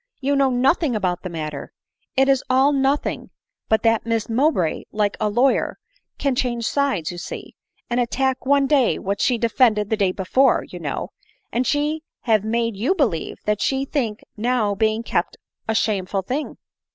You know nothing about the matter ; it is all nothing, but that Miss Mowbray, like a lawyer, can change sides, you see, and attack one day what she defended the day before, you know ; and she have made you believe that she think now being kept a shameful thing."